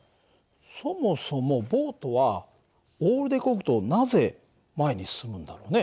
そもそもボートはオールでこぐとなぜ前に進むんだろうね？